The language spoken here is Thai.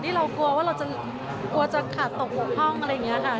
ที่เรากลัวว่าจะขาดตกห้องอะไรอย่างนี้ค่ะ